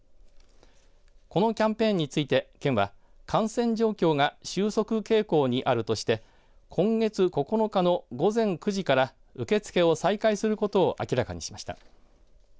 このキャンペーンについて、県は感染状況が収束傾向にあるとして今月９日の午前９時から受け付けを再開することを明らかにしました。